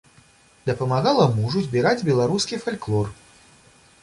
Дапамагала мужу збіраць беларускі фальклор.